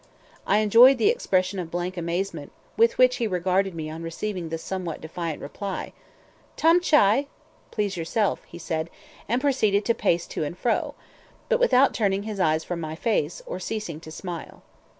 I enjoyed the expression of blank amazement with which he regarded me on receiving this somewhat defiant reply. "Tam chai!" ("Please yourself!") he said, and proceeded to pace to and fro, but without turning his eyes from my face, or ceasing to smile.